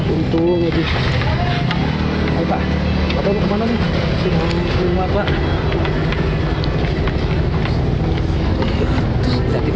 astaghfirullahaladzim allah wabarakatuh